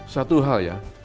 satu hal ya